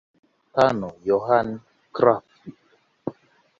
Tano Yohan Cruyff